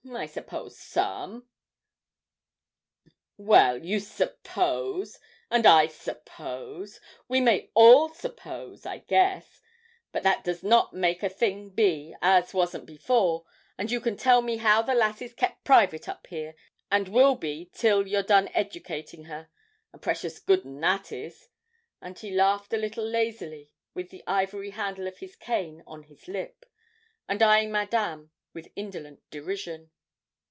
I suppose some.' 'Well, you suppose, and I suppose we may all suppose, I guess; but that does not make a thing be, as wasn't before; and you tell me as how the lass is kep' private up there, and will be till you're done educating her a precious good 'un that is!' And he laughed a little lazily, with the ivory handle of his cane on his lip, and eyeing Madame with indolent derision.